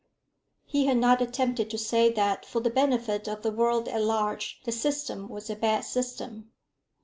He had not attempted to say that for the benefit of the world at large the system was a bad system.